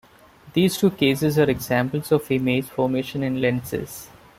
These two cases are examples of image formation in lenses.